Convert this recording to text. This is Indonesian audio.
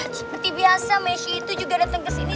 seperti biasa meshi itu juga datang kesini